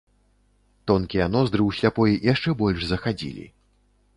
Тонкія ноздры ў сляпой яшчэ больш захадзілі.